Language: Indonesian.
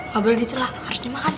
kalau beli celah harusnya makan